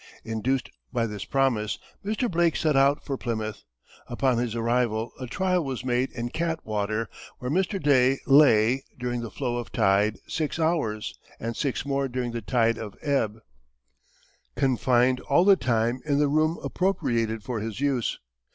Induced by this promise, Mr. Blake set out for Plymouth; upon his arrival a trial was made in Cat water, where Mr. Day lay, during the flow of tide, six hours, and six more during the tide of ebb; confined all the time in the room appropriated for his use.